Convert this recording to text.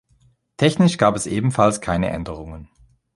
Technisch gab es ebenfalls keine Änderungen.